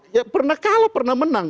ya pernah kalah pernah menang